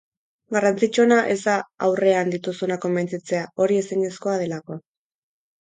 Garrantzitsuena ez da aurrean dituzunak konbentzitzea, hori ezinezkoa delako.